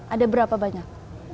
ada berapa banyak